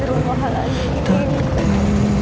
tadi hidup kan dijalani